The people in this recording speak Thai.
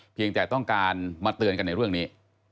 เพียงแต่ต้องการมาเตือนกันในเรื่องนี้